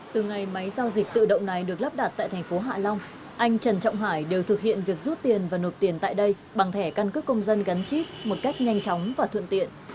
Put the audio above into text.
từ ngày máy giao dịch tự động này được lắp đặt tại thành phố hạ long anh trần trọng hải đều thực hiện việc rút tiền và nộp tiền tại đây bằng thẻ căn cước công dân gắn chip một cách nhanh chóng và thuận tiện